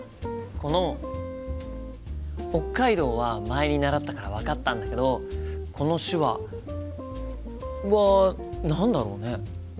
この「北海道」は前に習ったから分かったんだけどこの手話は何だろうね？